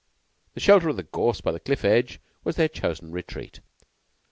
The shelter of the gorze by the cliff edge was their chosen retreat.